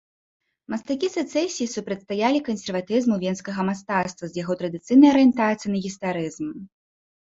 Мастакі сэцэсіі супрацьстаялі кансерватызму венскага мастацтва з яго традыцыйнай арыентацыяй на гістарызм.